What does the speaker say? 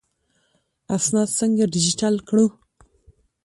اسناد څنګه ډیجیټل کړو؟